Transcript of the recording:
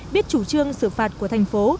biết chủ trương xử phạt của thành phố